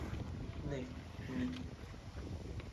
Ne ni.